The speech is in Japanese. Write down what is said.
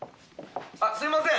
あっすいません